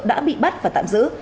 đã bị bắt và tạm giữ